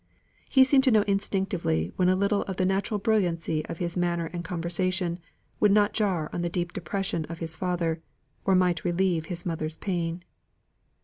He seemed to know instinctively when a little of the natural brilliancy of his manner and conversation would not jar on the deep depression of his father, or might relieve his mother's pain.